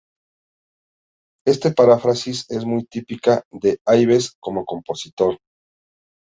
Esta paráfrasis es muy típica de Ives como compositor.